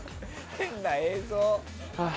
変な映像。